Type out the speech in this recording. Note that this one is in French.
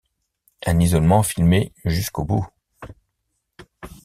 Un isolement filmé jusqu'au bout...